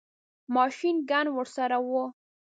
ماشین ګن ورسره وو.